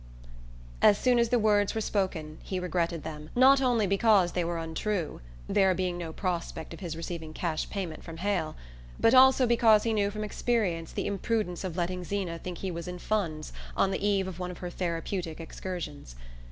As soon as the words were spoken he regretted them, not only because they were untrue there being no prospect of his receiving cash payment from Hale but also because he knew from experience the imprudence of letting Zeena think he was in funds on the eve of one of her therapeutic excursions.